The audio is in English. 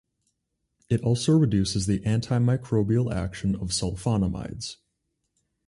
It also reduces the antimicrobial action of sulfonamides.